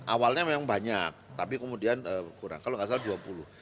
awalnya memang banyak tapi kemudian kurang kalau nggak salah dua puluh